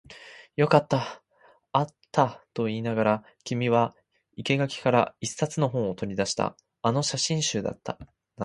よかった、あったと言いながら、君は生垣から一冊の本を取り出した。あの写真集だった。